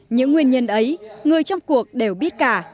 những nguyên nhân ấy người trong cuộc đều biết cả